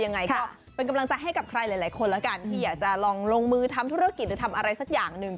ยังไงก็เป็นกำลังใจให้กับใครหลายคนแล้วกันที่อยากจะลองลงมือทำธุรกิจหรือทำอะไรสักอย่างหนึ่ง